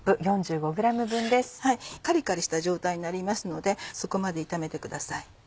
カリカリした状態になりますのでそこまで炒めてください。